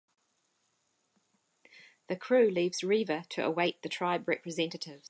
The crew leaves Riva to await the tribe representatives.